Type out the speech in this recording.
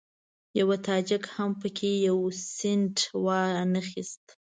یوه تاجک هم په کې یو سینټ وانخیست.